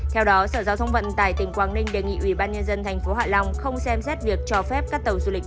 theo đó sở giao thông vận tài tỉnh quảng ninh đề nghị ubnd tp hạ long không xem xét việc cho phép các tàu du lịch